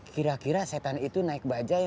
kira kira setan itu naik bajaj